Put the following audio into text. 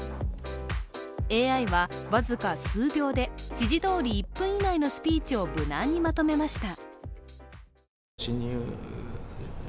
ＡＩは僅か数秒で指示通り１分以内のスピーチを無難にまとめました。